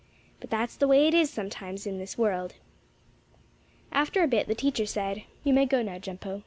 But that's the way it is sometimes in this world. After a bit the teacher said: "You may go now, Jumpo.